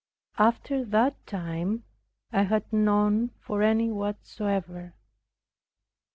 After that time I had none for any whatsoever.